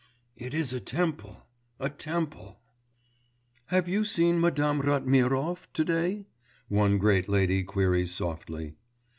It is a temple, a temple! 'Have you seen Madame Ratmirov to day?' one great lady queries softly.